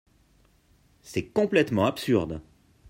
C’est complètement absurde.